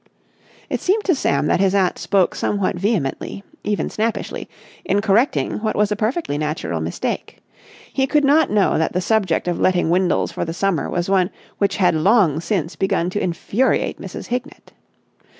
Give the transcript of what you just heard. It seemed to Sam that his aunt spoke somewhat vehemently, even snappishly, in correcting what was a perfectly natural mistake. He could not know that the subject of letting Windles for the summer was one which had long since begun to infuriate Mrs. Hignett.